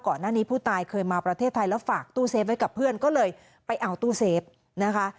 ก่อนหน้านี้ผู้ตายเคยมาประเทศไทยแล้วฝากตู้เซฟไว้กับเพื่อนก็เลยไปเอาตู้เซฟนะคะ